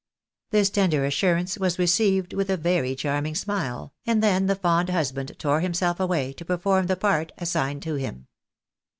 This tender assurance was received with a very charming smile, and then the fond husband tore himself away, to perform the part assigned him.